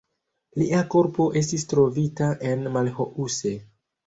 Lia korpo estis trovita en Mulhouse.